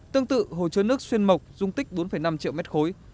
tương tự hồ chứa nước xuyên mộc dung tích bốn năm triệu mét khối